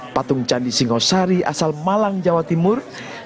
patung candi singosari asal malang jawa timur